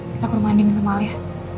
kita ke rumah andin sama al ya